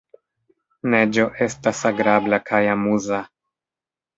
Neĝo estas agrabla kaj amuza.